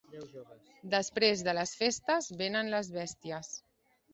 Després de les festes venen les bèsties.